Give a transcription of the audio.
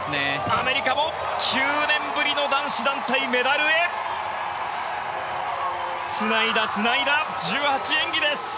アメリカも９年ぶりの男子団体メダルへつないだつないだ１８演技です。